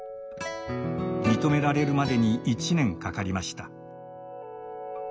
認められるまでに１年かかりました。